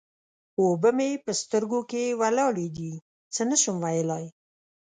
اوبه مې په سترګو کې ولاړې دې؛ څه نه شم ويلای.